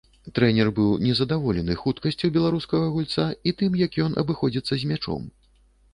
Трэнер быў незадаволены хуткасцю беларускага гульца і тым, як ён абыходзіцца з мячом.